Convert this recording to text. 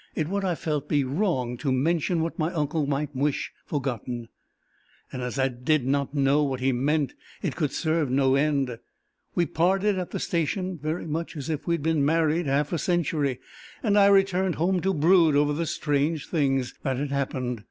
It would, I felt, be wrong to mention what my uncle might wish forgotten; and as I did not know what he meant, it could serve no end. We parted at the station very much as if we had been married half a century, and I returned home to brood over the strange things that had happened.